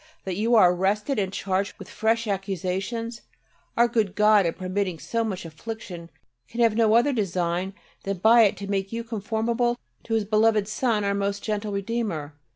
That you are arrested and charged with fresh accusations! Our good God, in permitting so much affliction, can have no other design than by it to make you conformable to His beloved Son our most gentle Redeemer.